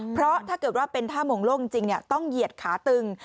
เพราะถ้าเกิดว่าเป็นท่ามงโลกจริงต้องเหยียดขาตึง